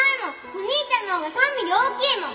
お兄ちゃんのほうが３ミリ大きいもん！